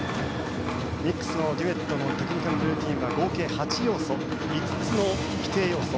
ミックスのデュエットのテクニカルルーティンは合計８要素、５つの規定要素。